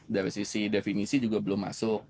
dari sisi definisi juga belum masuk